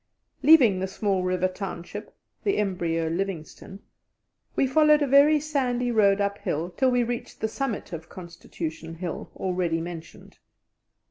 Leaving the small river township the embryo Livingstone we followed a very sandy road uphill till we reached the summit of Constitution Hill, already mentioned.